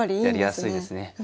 やりやすいですね。